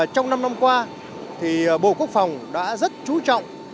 trong năm năm qua bộ quốc phòng đã rất chú trọng